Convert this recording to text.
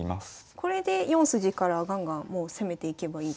これで４筋からガンガンもう攻めていけばいいと。